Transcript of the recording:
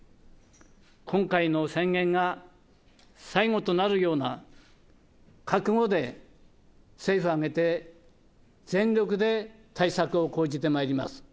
今回の宣言が最後となるような覚悟で、政府を挙げて全力で対策を講じてまいります。